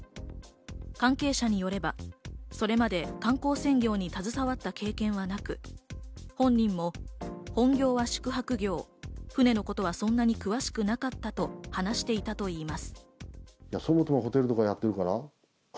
関係者によればこれまで観光船業に携わった経験はなく、本人も本業は宿泊業、船のことはそんなに詳しくなかったと話していたといいます。